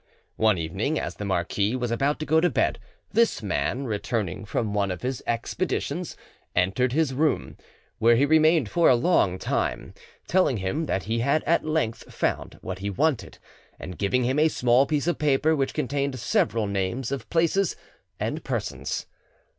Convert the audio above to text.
One evening, as the marquis was about to go to bed, this man, returning from one of his expeditions, entered his room, where he remained for a long time, telling him that he had at length found what he wanted, and giving him a small piece of paper which contained several names of places and persons.